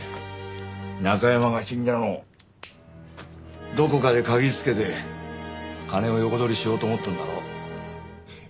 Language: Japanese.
中山が死んだのをどこかで嗅ぎつけて金を横取りしようと思ったんだろ？